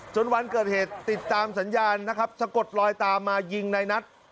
วันเกิดเหตุติดตามสัญญาณนะครับสะกดลอยตามมายิงในนัท